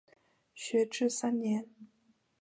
学制三年。